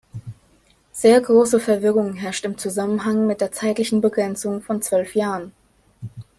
Sehr große Verwirrung herrscht im Zusammenhang mit der zeitlichen Begrenzung von zwölf Jahren.